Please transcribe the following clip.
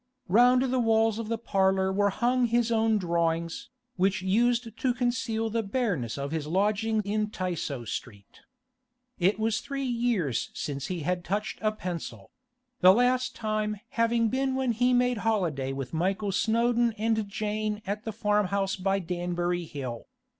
Round the walls of the parlour were hung his own drawings, which used to conceal the bareness of his lodging in Tysoe Street. It was three years since he had touched a pencil; the last time having been when he made holiday with Michael Snowdon and Jane at the farm house by Danbury Hill.